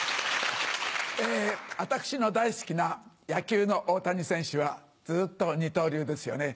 私の大好きな野球の大谷選手はずっと二刀流ですよね。